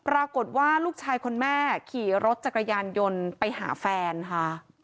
ปรากฏว่าลูกชายคนแม่ขี่รถจักรยานยนต์ไปหาแฟนค่ะ